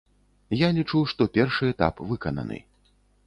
Я лічу, што першы этап выкананы.